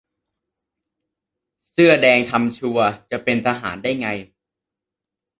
เสื้อแดงทำชัวร์ จะเป็นทหารได้ไง !